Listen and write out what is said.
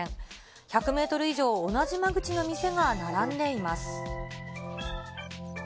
１００メートル以上同じ間口の店が並んでいます。